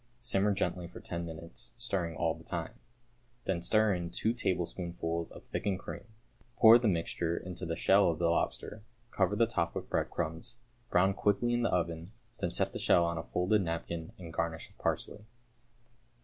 Simmer gently for ten minutes, stirring all the time. Then stir in two tablespoonfuls of thickened cream. Pour the mixture into the shell of the lobster, cover the top with breadcrumbs, brown quickly in the oven, then set the shell on a folded napkin, and garnish with parsley.